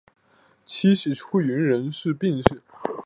妻是出云国人众井氏。